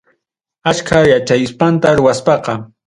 Achka yachayspanta ruwaspa.